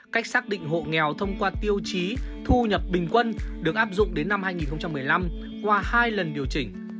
cách xác định hộ nghèo thông qua tiêu chí thu nhập bình quân được áp dụng đến năm hai nghìn một mươi năm qua hai lần điều chỉnh